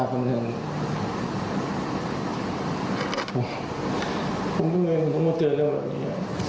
ผมคงไม่อาจจะเตือนเรื่องแบบนี้